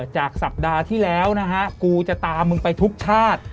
จากสัปดาห์ที่แล้วนะฮะกูจะตามมึงไปทุกชาติ